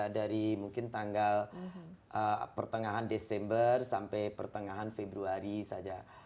dari mungkin tanggal pertengahan desember sampai pertengahan februari saja